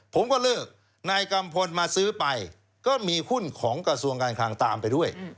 ผมก็เลิกนายกัมพลมาซื้อไปก็มีหุ้นของกระทรวงการคลังตามไปด้วย